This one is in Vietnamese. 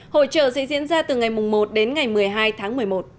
hội trợ sẽ diễn ra từ ngày một đến ngày một mươi hai tháng một mươi một